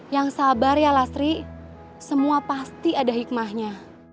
yang sabar ya lasri semua pasti ada hikmahnya